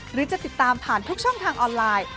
หรือจะติดตามผ่านทุกช่องทางออนไลน์